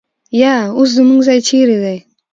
یا اوس زموږ ځای چېرې دی؟